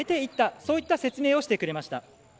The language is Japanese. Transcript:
そういった説明をしてくれました。